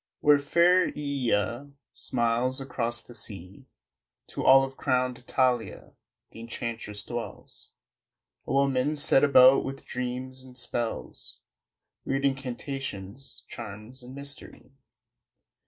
Where fair Ææia smiles across the sea To olive crowned Italia, th' enchantress dwells A woman set about with dreams and spells, Weird incantations, charms and mystery.